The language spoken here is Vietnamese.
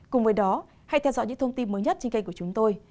cùng với đó hãy theo dõi những thông tin mới nhất trên kênh của chúng tôi